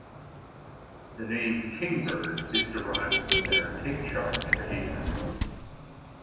The name "kingbird" is derived from their "take-charge" behaviour.